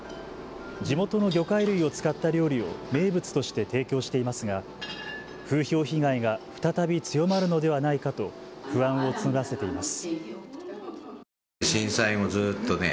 地元の魚介類を使った料理を名物として提供していますが風評被害が再び強まるのではないかと不安を募らせています。